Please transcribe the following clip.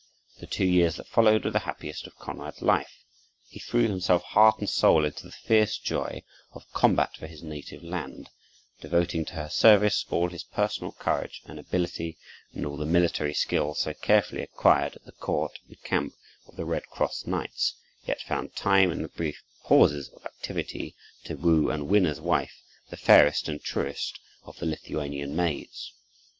The two years that followed were the happiest of Konrad's life. He threw himself heart and soul into the fierce joy of combat for his native land, devoting to her service all his personal courage and ability, and all the military skill so carefully acquired at the court and camp of the Red Cross knights; yet found time in the brief pauses of activity to woo and win as wife the fairest and truest of the Lithuanian maids.